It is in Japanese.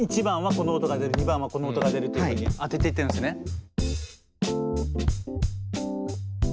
１番はこの音が出る２番はこの音が出るっていうふうに当てていってるんですね。